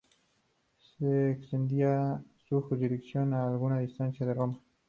Se extendía su jurisdicción a alguna distancia de Roma.